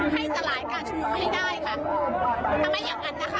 ให้สลายการชมให้ได้ค่ะทำไมอย่างนั้นนะคะ